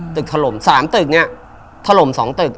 ตึกถล่ม๓ตึกนี้ถล่ม๒ตึก